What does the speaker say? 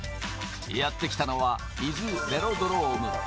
やってきたのは伊豆ベロドローム。